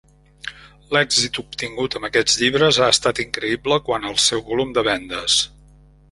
L'èxit obtingut amb aquests llibres ha estat increïble quant al seu volum de vendes.